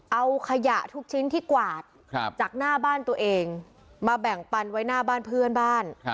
เอาขยะทุกชิ้นที่กวาดจากหน้าบ้านตัวเองมาแบ่งปันไว้หน้าบ้านเพื่อนบ้าน